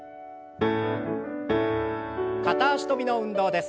片脚跳びの運動です。